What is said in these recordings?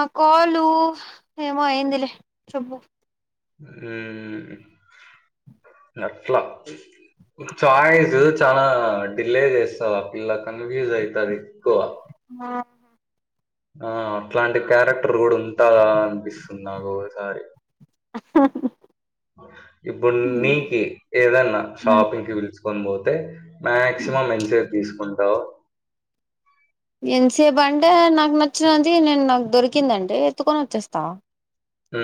ఆ కాలు ఏమో అయిదిలే చెప్బు ఊ అట్ల చాయిస్ చాలా డిలే చేస్తవ్ ఆ పిల్ల కన్ఫ్యూజ్ అయితాది ఎక్కువ ఆ అట్లాంటి క్యారెక్టర్ గూడా ఉంటాదా అనిపిస్తున్ నాకు ఒగసారి అహహు ఇప్పుడు నీకి ఏదన్న షాపింగ్ కి విలుచుకొని బో టే మాక్సిమం ఎంసెట్ తీసుకుంటావ్ ఎంతసేపు అంటే నాకు నచ్చినది నేను నాకు దొరికిందంటే ఎత్తుకొని ఒచ్చేస్తా. ఊ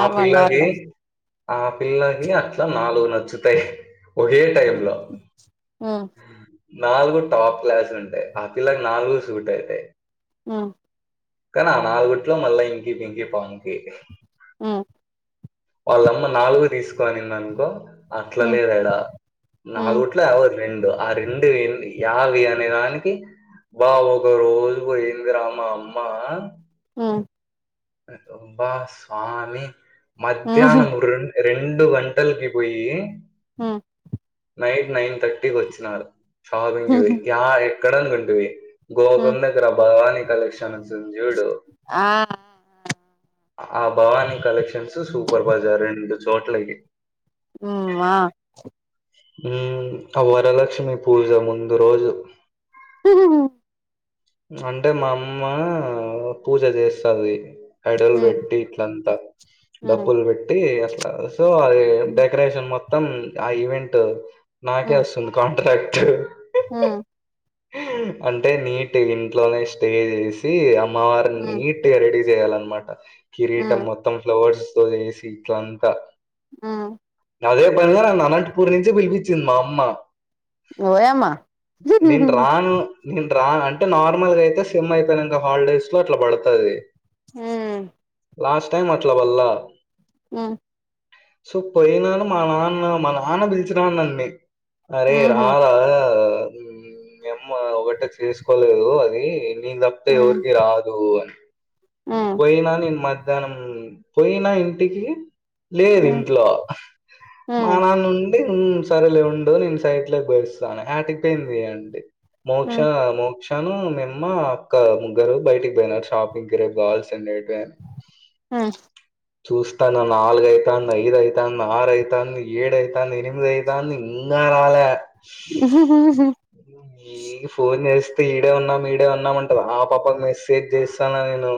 ఆ పిల్లకి లో ఆ పిల్లకి అట్లా నాలుగు నచ్చు తుత్తయ్ ఒకే టైమ్ లో నాలుగు టాప్ క్లాస్ ఉంటయ్ ఆ పిల్లకి నాలుగు సూట్ అయితాయ్ ఉ కాని ఆ నాలుగుట్లో మళ్ళ ఇంకీ పింకి పాంకి వాళ్ళమ్మ నాలుగు తీసుకో అనిందనుకో అట్లా లేదు ఏడా నాలుగుట్ల ఆవ రెండు ఆ రెండు ఏంది యావి అనేదానికి బావ్ ఒక రోజు వోయింది రా మా అమ్మ ఉ అబ్బా సామి మధ్యహ్నం రెన్ రెండు గంటలకి బొయ్యి ఉ నైట్ నైన్ థర్టీకి వచ్చినారు షాపింగ్ చేసి ఆ ఎక్కడనుకుంటివి గోపురం దగర భవాని కలెక్షన్ అని ఉంది చూడు ఆ ఆ భవానీ కలెక్షన్స్ సూపర్ బజార్ రెండు చోట్లకి ఉమ్ ఆ ఉమ్ ఆ వరలక్ష్మి పూజ ముందు రోజు ఉ అంటే మా అమ్మ పూజ చేస్తది హడలు పెట్టి ఇట్లంత డబ్బులు పెట్టి అట్లా సో అది డెకరేషన్ మొత్తం మొత్తం ఆ ఈవెంట్ నాకే వస్తుంది కాంట్రాక్ట్ ఆ అంటే నీట్ ఇంట్లోనే స్టే చేసి అమ్మవారిని నీట్ గా రెడీ చేయాలన్నమాట కిరీటం మొత్తం ఫ్లవర్స్ తో ఏసీ ఇట్లంతా అదే పనిమీద నన్ను అనంతపూర్ నుంచి పిలి చింది మా అమ్మ ఏ అమ్మ నేను రాను నే రా అంటే నార్మల్ గా అయితే సెమ్ అయిపోనంక హాలిడేస్ లో అట్ల పడుతది ఉమ్ లాస్ట్ టైమ్ అట్ల పడలా ఉ సో పోయిన నెల మా నాన్న మా నాన్న పిలిచినాడు నన్ను అరే రారా మీ అమ్మ ఒకటే చేసుకోలేదు అది నీకు తప్పితే ఎవరికి రాదు అని ఉ పోయినా నేను మధ్యాహ్నం పోయినా ఇంటికి లేదు ఉ ఇంట్లో ఉ మా నాన్న ఉండి సరలే ఉండు నేను సైట్లకు పోయోస్తాను ఆటికిపోయింది అండి మోక్ష అయ్యయ్యో మోక్ష మోక్షను మీ అమ్మ అక్క ముగ్గురు బయటికి పోయినారు షాపింగ్కి రేపు కావలసినవి తే యారు చూస్తాన్న నాలుగ అయితాంది ఐదు అయితాంది ఆరు అయితాంది ఏడు అయితాంది ఎనిమిది అయితాంది ఇంకా రాలే ఉ ఈ ఫోన్ చేస్తే తే ఈడే ఉన్నాం ఈడే ఉన్నాం అంటది ఆ పాపకి మెసేజ్ చేస్తాన నేను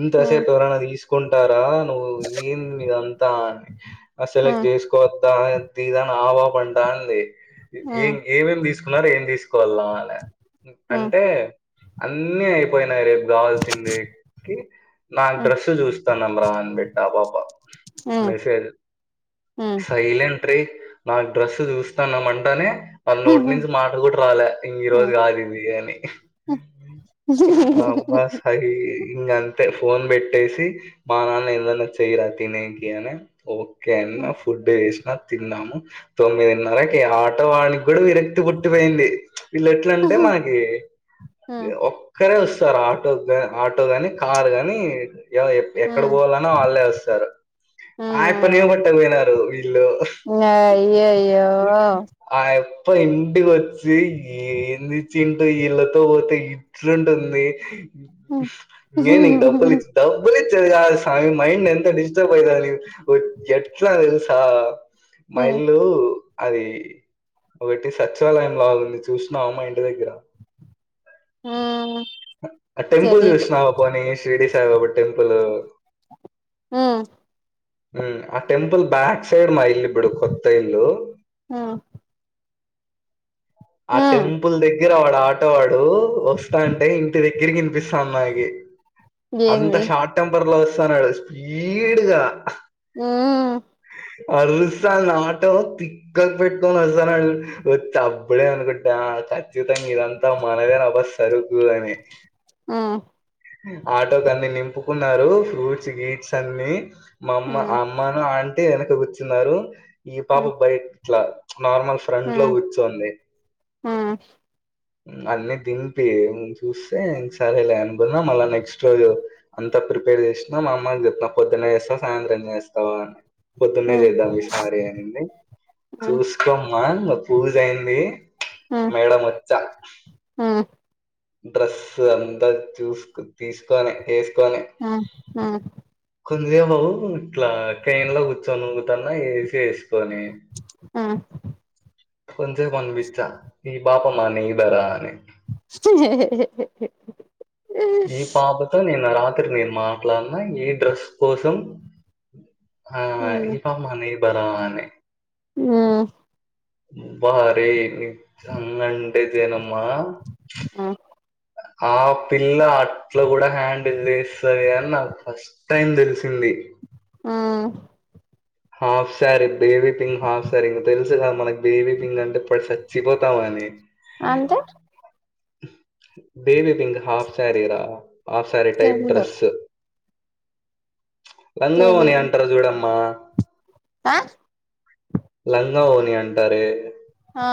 ఇంతసేపు ఎవరైనా తీసుకుంటారా నువ్వు ఏంది ఇదంతా మరి సెలెక్ట్ చేసుకోవద్దా తీ గాని [unintelligible] అంటాంది ఏం ఏమేం తీసుకున్నారో ఏం తీసుకు [unintelligible] అంటే అన్ని అయిపోయినాయి రేపు కావాల్సింది వెతికి నాకు డ్రెస్ చూస్తాన్నాం రా అని పెట్టా పాప మెసేజ్ సైలెంట్ రీ నాకు డ్రెస్ చూస్తాన్నమంటనే వాళ్ళు నో నోట్ల నుంచి మాట కూడ రాలే ఈ రోజు కాదు ఇది అని ఆ అబ్బా సయి ఇంగ అంతే ఫోన్ పెట్టేసి మా నాన్న ఏదైన చేయిరా తిననికి అని ఓకే అన్న ఫుడ్ వేసినా తిన్నాము తొమ్మిదిన్నరకి ఈ ఆటో వాళ్ళకి కూడా కొట్టిపోయింది వీళ్ళు ఎట్లంటే మనకి ఒక్కరే వస్తు స్తారు ఆటో ఆటో గాని కార్ గాని ఎక్కడ పోవాలన్న వాళ్ళే వస్తారు ఆయప్పని కొట్టపోయినారు అయ్యయ్యో ఇంటిక వచ్చి ఏంది చింటూ ఇళ్లతో పోతే ఇట్లుంటుంది ఏకు డబ్బలి ఇచ్చ డబ్బలి ఇ సామి మైండ్ ఎంత డిస్టర్బ్ అయిదా ఎట్లా తెలుసా మైల్లు అది ఒకటి సచివాలయం లాగుంది చూసినా అమ్మా ఇంటి దగ్గర ఆ టెంపుల్ విష్న్నావా పోనీ శిరిడి సాయిబాబ టెంపుల్ ఆమ్ హ ఆ టెంపుల్ బ్యాక్ సైడ్ మా ఇల్ బడు కొత్త ఇల్లు ఆ టెంపుల్ దగ్గర అవ్వ ఆటవాడు వస్తా అంటే ఇంటి దగ్గర కినిపిస్తాను నాగి అంత షార్ట్ టెంపర్ లో వస్తున్నాడు స్పీడ్గా ఆ అరుసాన్ నాట తిక్కలు పెట్ అరుసాన్ తప్పుబడే అనుకుంటే ఖచ్చితంగా ఇదంతా మనదే నభ సరుకు అని ఆటో క అన్ని నింపుకున్నారు ఫ్రూట్స్ గీడ్స్ అన్ని మా అమ్మ అమ్మాను ఆంటే వెనక కూర్చున్నారు ఈ పాప బయ ఇట్లా నార్మల్ ఫ్రంట్ లో కూర్చోంది ఏంది అన్నిీ దింపి చూస్తే సరేలే అనుకున్నాం మళ్ళ నెక్స్ట్ రోజు అంత ప్రిపేర్ చేసినా మా అమ్మ చెప్తున్నా పొద్దున్నేస్తావు సాయంత్రం చేస్తావా అని పొద్దున్నే చేద్దాం ఈసార అనిడి చూసుకోమ్మా పూజ అయింది మేడం వచ్చ హ్మ్మ్ డ్రెస్స్ అంతా చూస్ తీసుకని ఆ ఆ కొే బవు ఇట్లా కైన్ లో కూర్చొనితున్నా వేసి వేసు కొంచే మన్పచ్చా ఈ బప న భరానే [unintelligible] ఈ పాపతో నేను రాత్రి నేను మాట్లాడిన ఈ డ్రెస్ కోసం ఆ ఇ పామ్మానే ఈ బరావనే హ్మ్మ్ బారని రంగ్ అంటితేనమ్మ ఆ పిల్ల అట్లా కూడా హ్యాండిల్ చేస్తంది అని నాకు ఫస్ట్ టైం తెలిసింది ఆ హాఫ్ సారీ బేబీ పింగ్ హాఫ్ సారీంగ్ తెలుసు కదా మనకు బేబీ పింగ్ అంటే ఇప్పుడు చచ్చిపోతామ అని అంతే బేవి వింగ్ హాఫ్ సారీరా హాఫ్ సారిీ టైప్ తెలీదు డ్రెస్ లంగా వోని తెలీదు అంటారు చూడమ్మా ఆ లంగా పోనీ అంటారే ఆ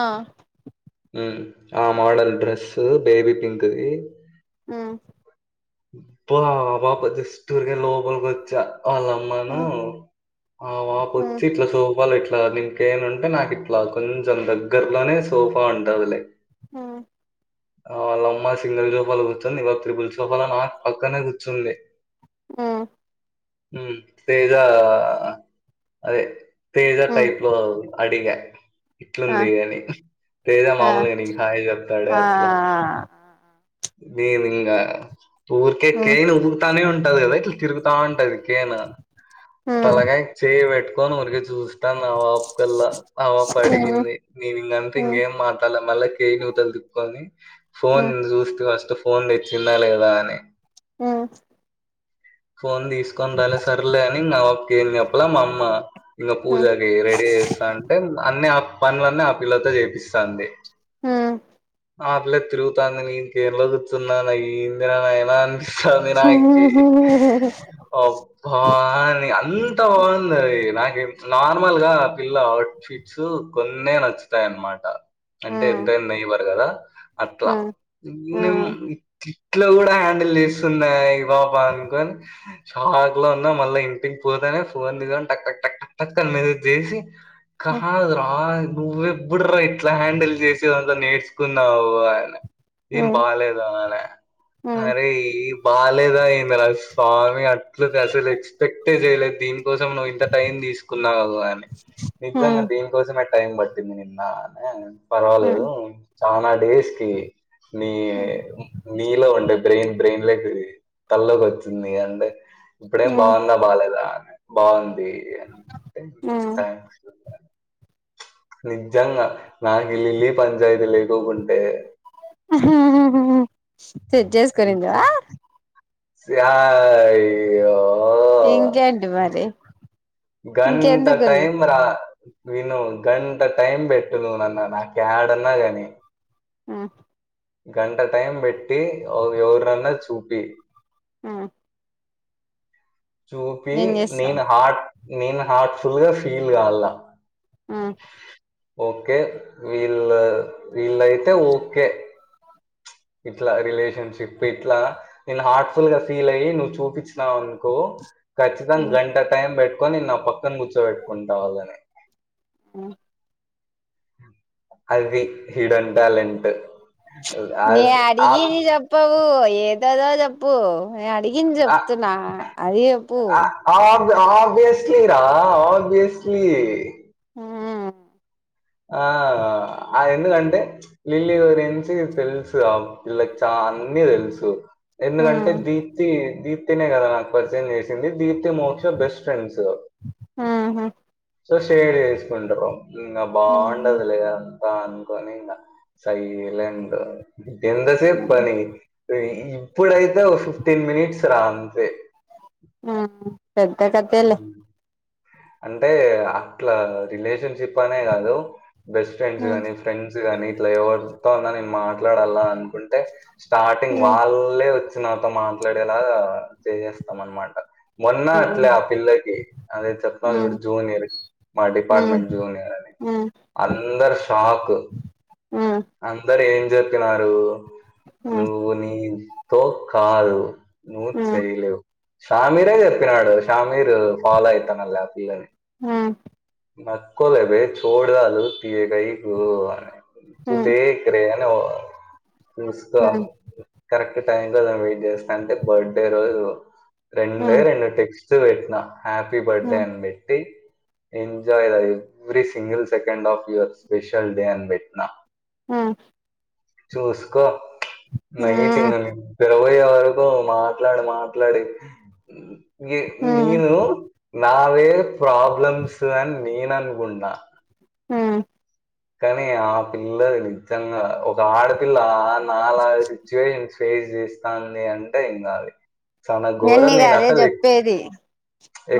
ఆ మోడన్ డ్రెస్ బేబి పింక్ది హ్మ్మ్ బా బాప జస్ట్ ఊరికే లోపలికి వచ్చి అళ్ళమ్మను ఉమ్ ఆ వా పచట్ల స వాళ్ళు ఇట్లా నంకేన్ ఉంటే నాకు ఇట్లా కొంచెం దగ్గరలోనే సోఫా ఉంటుందిలే ఆ ఆ వాళ్ళమ్మా సింగిల్ సోఫాలులో కూర్చుంది ఇవా త్రిపుల్ సోఫలో నాకు పక్కనే కూర్చుంది ఆ తేజా అదే తేజ ఉమ్ ఉమ్ టైప్ లో అడిగా ఆ ఇట్లుంది అని తేజ ఆ మాముూలుగా నీకు హాయ్ చెప్తాడే ఆ అట్లో మేమింగ ఊరికే ఉమ్ కేన్ ఉగురుతానే ఉంటది గదా ఇట్ల తిరుగుతా ఉంటది కేనా ఉమ్ తలగాయ చేయి పెట్టుకోని ఊరికే చూస్ తన్నవా కుల్ల ఆపాప ఉమ్ అడిగింది నేను ఇంకంతే ఉమ్ ఇంకేం మాట్లా మళ్ళా కేయిను తలు తిప్పుకోని ఫోన్ ఉమ్ ఉమ్ చూస్తే పోన్ దెచ్చుండాలి గదా అని మ్మ్ ఫోన్ తీసుకొని రాలే సర్లే అని మావక్కేం చెప్పల మా అమ్మ ఇంక పూజ అది రెడీ అయి వస్తాంటే అన్ని ఆ పనులన్నీ ఆ పిల్లతో చేపిస్తాంది ఊ ఆ పిల్ల తిరుగుతాంది నేను కేరుళో కూర్చున్నా ఏందిరా నాయనా అన్ ఉమ్ ఉమ్ ఉమ్ ఉమ్ ఉమ్ ఉమ్ సందనాయికి ఒబ్బా అని అంతా బాగుందై నాకి నార్మల్గా ఆ పిల్ల అవుట్ ఫిట్స్ కొన్నే నచ్చుతాయన్నమా అంటే ఎంతైన నెయిబర్ గదా అట్ల ఇట్లో కూడా హ్యాండిల్ చేస్తుందా ఈ పాపా అనుకోన్ షాక్ లో ఉన్నా మళ్ళా ఇంటికి పోత ఫోన్ దీసన్ టక్ టక్ టక్ టక్ టక్ అని మెసేజ్ చేసి కహాదురా నువ్వెబుడ్డ్ రా ఇట్లా హ్యాండిల్ చేసేదంతా నేర్చుకున్నావు ఆయన ఏం బాలేదా అనే అరే ఈ బాలేదా ఏంద్ర స్వామి అట్లది అసలు ఎక్స్పెక్టే చేయలేదు దీనికోసం నువ్వు ఇంత టైం తీసుకున్నావు గాని ఉమ్ నిజంగా ఉమ్ దీనికోసం టైం పట్టింది నిన్న అనే పర్వాలేదు ఉమ్ చాలా డేస్ కి నీ నీలో ఉండే బ్రెయిన్ బ్రెయిన్లె తల్లోకి వచ్చింది అంటే ఇప్పుడేం బాగుందా బాలేదా బాగుంది ఉమ్ నిజంగా నాకిలిల్లి పంచాయతీ లేకుకుంటే సెట్జేస్ కునిందా నిజం అయ్యో ఇంకేంటి మరీ గ గంట టైం రా విను గంట టైం పెట్టు నువునన్న నాకు ఏడన్నా గాని ఆ గంట టైం పెట్టి ఎవరన్నా చూపి అ చూపి చేస్తావ్ నేను హార్ట్ నేను హార్ట్ఫుల్ గా ఫీల్గాల ఆ ఓకే వీళ్ళ్ వీళ్ళయితే ఓకే ఇట్లా రిలేషన్షిప్ ఇట్లా నేను హార్ట్ఫుల్ గా ఫీల్ అయ్యి నువ్వు చూపిచ్చి నావనుకో ఖచ్చితంగా గంట టైం పెట్టుకొని నా పక్కన కూర్చోబెట్టుకుంటా వళ్ళని ఆ అది హిడన్ ట్యాలెంట్ ఇగిది చెప్పవు ఏదదో చెప్పు నేను అడిగింది చెప్తున్నా అది చెప్పు ఆబ్ చేసైరా ఆబ్ చేసి ఆ ఆ అ ఎందు కంటే ఈల్లే ఎవురైనా వీలొచా అన్నీ దెలుసు ఎందుకంటే దీప్తి దీప్తీనే కదా నాకు పరిచయం చేసింది Deep Moksha best friends so share చేసేసుకుంటరు బాగుండదులే అంతా అనుకోనింగ సైలెండ్ ఎంతసేపు పని ఇప్పుడైతే ఫిఫ్టీన్ మినిట్స్ రా ఆ పెద్దా కథలే ఉమ్. అంటే అట్లా రిలేషన్ షిప్ అనే కాదు బెస్ట్ ఫ్రెండ్స్ కాగానీ ఫ్రెండ్స్ కాగానీ ఇట్లా ఎవరితో ఉన నేను మాట్లాడాల అని అనుకుంటే స్టార్టింగ్ వాళ్ళే నాతో మాట్లాడేలా చేసేస్తాం అనమాట మొన్నా అట్లే ఆ పిల్లకి అ జూనియర్ మా డిపార్ట్మెంట్ జూనియర్ అనే అందర్ షాక్ అందరు ఏం చెప్పినారు నువ్వు నీంతో కాదు నువ్వు నేను చెయలేవు షామీరే చెప్పినాడు షామీర్ ఫాలో అయితానళ్ళ పిల్లని ఆ నక్కోలే బే చోడ్ దాలు అదుతవ కైకు తూ దేకర్రే కరెక్ట్ టైం కోసం వెయిట్ చేస్తా అంటే బర్త్డే రోజు రెండే రెండు టిక్స్ సో పెట్టినా హ్యాపీ బర్త్డే అని పెట్టి enjoy life every single second of your special day అని పెట్టినా ఊ చూసుకో నైట్ ఇంగ ని నిద్ర పోయేవరకు మాట్లాడు మాట్లాడి నేను నావే ప్రాబ్లమ్స్ అని నేను అనుకున్న ఆ కానీ ఆ పిల్ల నిజంగా ఒక ఆడపిల్ల ఆ నా లాగా సిచ్యువేషన్స్ ఫేస్ చేస్తాంది అంటే ఇంక నేను నీకు గదే చెప్పేది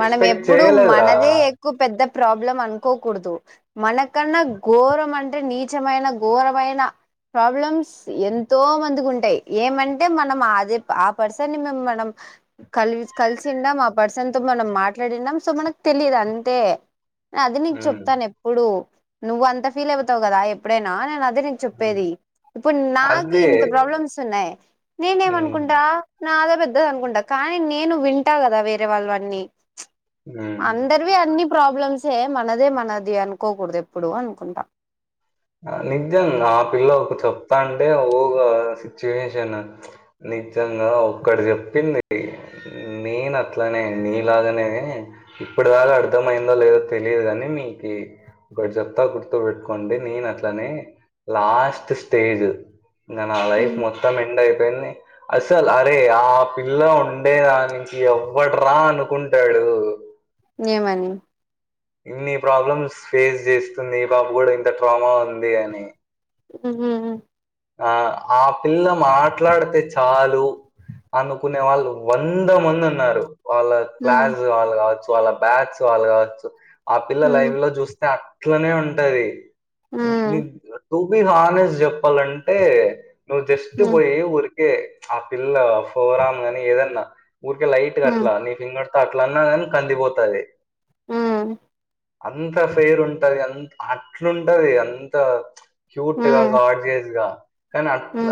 మనం ఎప్పుడు చేయలేదురా మనదే ఎక్కువ పెద్ద ప్రాబ్లం అనుకోకూడదు మన ఎ కన్నా ఘోరం అంటే నీచమైన ఘోరమైన ప్రాబ్లమ్స్ ఎంతో మందికి ఉంటాయి ఏమంటే మనం అదే ఆ పర్సన్ని మేము మనం కలి కలిసిండాం ఆ పర్సన్ తో మనం మాట్లాడిండం సో మనకు తెలిదు అంతే అది నీకు ఉమ్. చెప్తాను ఎప్పుడు నువ్వు అంత ఫీల్ అవుతావు కదా ఎప్పుడైనా నేను అ నేను చెప్పేది ఇప్పుడు నాకి అదే ఇంత ప్రాబ్లమ్స్ ఉన్నాయి ఉమ్. నేనేమనుకుంటా నాదే పెద్ద అనుకుంటా కానీ నేను వింటా కదా వేరే వాళ్ళవి అన్ని ఉమ్. అందరివి అన్ని ప్రాబ్ల ప్రాబ్లమ్స్యె మనదే మనది అనుకోకూడదు ఎప్పుడు అనుకుంటా నిజం ఆ పిల్ల ఒకే చెప్తా అంటే ఓ ఇగ సిచ్యువేషన్ నిజంగా ఒక్కటి చెప్పింది నేను అట్లనే నీలాగనే ఇప్పుడు దాకా అర్థమయిందో లేదో తెలియదు గాని నీకి ఒకటి చెప్తా గుర్తు పెట్టుకోండి నేను అట్లనే లాస్ట్ స్టేజ్ ఇగ నా లైఫ్ మొత్తం ఎండ్ అయి అసలు అరే ఆ పిల్ల ఉండే దానికి ఎవ్వడ్రా అనుకుంటాడు ఏమని ఇన్ని ప్రాబ్లమ్స్ ఫేస్ చేస్తుంది ఈ పాపకి కూడా ఇంత ట్రామా ఉంది అని ఊహు ఆ ఆ పిల్ల మాట్లాడితే చాలు అనుకునే వాళ్ళు వంద మంది అన్నారు వాళ్ళ ఉ క్లాస్ వాళ్ళు కావచ్చు వాళ్ళ బ్యాచ్ వాళ్ళు కావచ్చు ఆ పిల్ల ఉ ఉ లైవ్ లో చూస్తే అట్లనే ఉంటది ఉ టూ బి హానెస్ట్ చెప్పాలంటే నువ్ జస్ట్ పోయి ఉరికే ఆ పిల్ల ఫోరామ్ గాని ఏదన్నా ఊరికే లైట్ గా అట్లా నీ ఫింగర్ అట్లన్నా కానీ కందిపోతది ఉ అంత ఫేయిర్ ఉంటది అంత అట్లుంటది అంత క్యూట్ ఉ గా గార్జియస్ గా కానీ ఉ అట్లా